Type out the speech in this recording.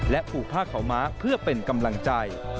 และปลูกผ้าเขาม้าเพื่อเป็นกำลังใจ